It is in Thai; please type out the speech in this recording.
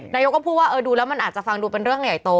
นายกก็พูดว่าเออดูแล้วมันอาจจะฟังดูเป็นเรื่องใหญ่โต